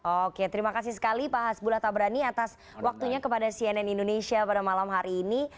oke terima kasih sekali pak hasbullah tabrani atas waktunya kepada cnn indonesia pada malam hari ini